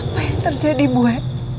apa yang terjadi buwe